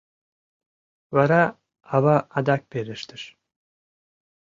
Вара ава адак пелештыш: